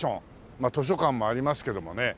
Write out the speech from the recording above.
まあ図書館もありますけどもね。